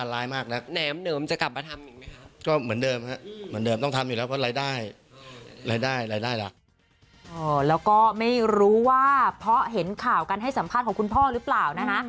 แล้วก็ไม่รู้ว่าเพราะเห็นข่าวการให้สัมภาษณ์ของคุณพ่อหรือเปล่านะคะ